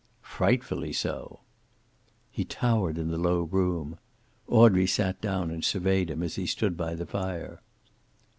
"Frightfully so." He towered in the low room. Audrey sat down and surveyed him as he stood by the fire.